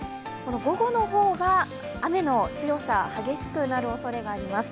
午後の方が雨の強さ、激しくなるおそれがあります。